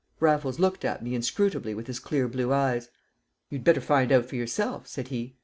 Raffles looked at me inscrutably with his clear blue eyes. "You'd better find out for yourself," said he.